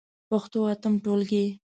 پښتو اتم ټولګی.